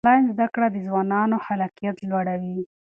آنلاین زده کړه د ځوانانو خلاقیت لوړوي.